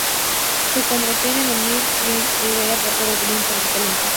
Su contraparte en el Milan fue Gianni Rivera, apodado Golden Boy, por su talento.